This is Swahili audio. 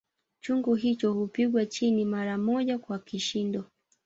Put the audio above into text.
Chungu hicho hupigwa chini mara moja kwa kishindo